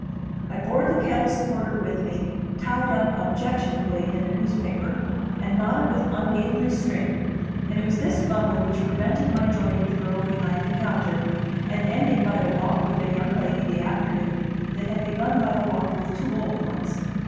I bore the kettle supporter with me, tied up objectionably in newspaper, and knotted with ungainly string; and it was this bundle which prevented my joining the girl behind the counter, and ending by a walk with a young lady the afternoon that had begun by a walk with two old ones.